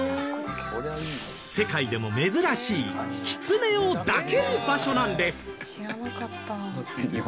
世界でも珍しいキツネを抱ける場所なんです。